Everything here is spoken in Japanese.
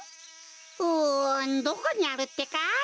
うんどこにあるってか？